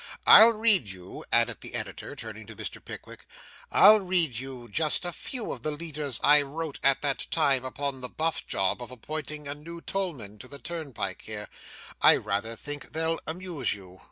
I'll read you,' added the editor, turning to Mr. Pickwick 'I'll just read you a few of the leaders I wrote at that time upon the Buff job of appointing a new tollman to the turnpike here; I rather think they'll amuse you.